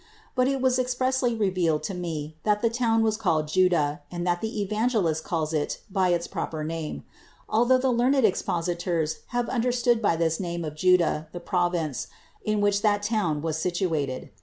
But it was ex pressly revealed to me that the town was called Juda and that the Evangelist calls it by its proper name; al though the learned expositors have understood by this name of Juda the province, in which that town was sit uated.